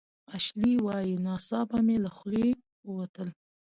اشلي وايي "ناڅاپه مې له خولې ووتل